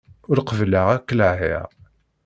Ur qbileɣ ad k-laɛiɣ!